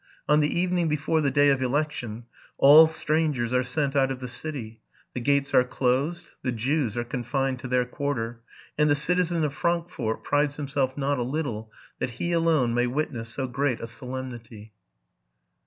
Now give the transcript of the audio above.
On the evening before the day of election, all strangers are sent out of the city, the gates are closed, the Jews are confined to their quarter, and the citizen of Frankfort prides himself not a little that he alone may witness so great a solemnity.